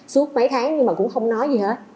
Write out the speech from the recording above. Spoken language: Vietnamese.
suốt mấy tháng nhưng mà cũng không nói gì hết